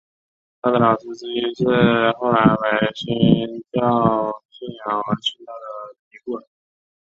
他的老师之一是后来为新教信仰而殉道的迪布尔。